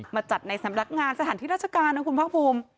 มาจัดในสำนักงานสถานที่ราชการนะคุณภาคภูมิ